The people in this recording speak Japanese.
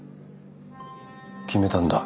決めたんだ。